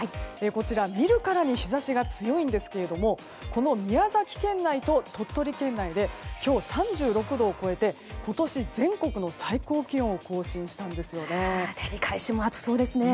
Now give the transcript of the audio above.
こちら見るからに日差しが強いんですけれどもこの宮崎県内と鳥取県内で３６度を超えて今年全国の最高気温を更新したんですよね。